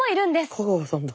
香川さんだ。